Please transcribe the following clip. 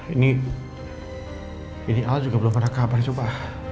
ini ini al juga belum pernah kabar coba